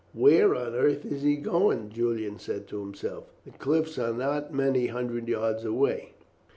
"Where on earth is he going?" Julian said to himself. "The cliffs are not many hundred yards away."